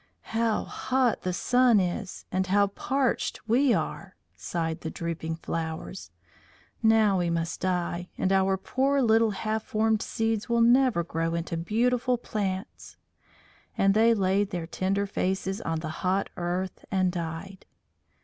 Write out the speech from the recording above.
"How hot the sun is! And how parched we are!" sighed the drooping flowers. "Now we must die, and our poor little half formed seeds will never grow into beautiful plants." And they laid their tender faces on the hot earth and died.